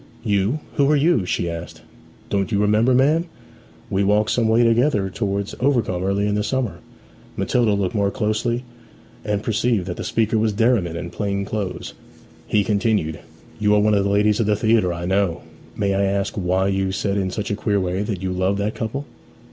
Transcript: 'You who are you?' she asked. 'Don't you remember, ma'am? We walked some way together towards Overcombe earlier in the summer.' Matilda looked more closely, and perceived that the speaker was Derriman, in plain clothes. He continued, 'You are one of the ladies of the theatre, I know. May I ask why you said in such a queer way that you loved that couple?'